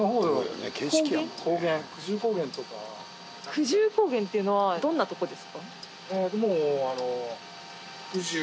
久住高原っていうのはどんなとこですか？